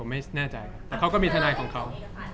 ผมไม่แน่ใจครับเขาก็มีธนัยของเขา